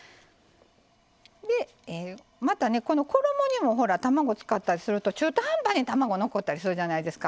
でまたねこの衣にもほら卵使ったりすると中途半端に卵残ったりするじゃないですか。